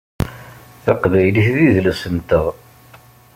Taqbaylit d idles-nteɣ.